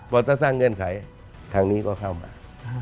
พอถ้าสร้างเงื่อนไขทางนี้ก็เข้ามา